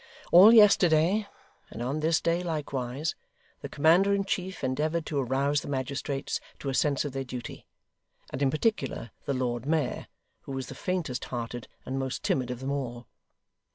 All yesterday, and on this day likewise, the commander in chief endeavoured to arouse the magistrates to a sense of their duty, and in particular the Lord Mayor, who was the faintest hearted and most timid of them all.